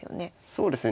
そうですね